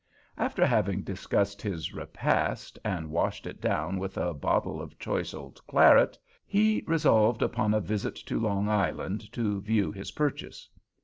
After having discussed his repast, and washed it down with a bottle of choice old claret, he resolved upon a visit to Long Island to view his purchase.